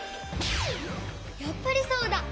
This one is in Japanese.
やっぱりそうだ！